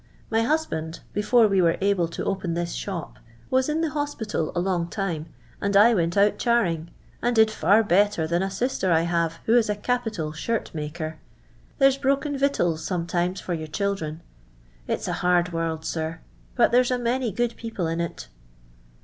My husband — before we were able to open this shop — was in the hospital a long time, and I went out charing, and did fisur better than a sister I have, who is a capital shirt maker. There's broken victuals, sometimes, for your children. jilt's a hard world, sir, but there's a many good people in it."